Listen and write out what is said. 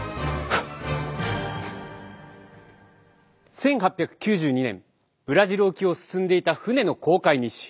１８９２年ブラジル沖を進んでいた船の航海日誌。